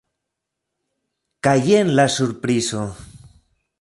Kaj jen la surprizo!